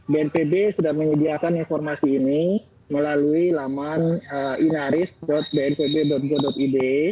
bnpb sudah menyediakan informasi ini melalui laman inaris bnpb go id